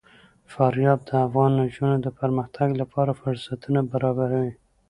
فاریاب د افغان نجونو د پرمختګ لپاره فرصتونه برابروي.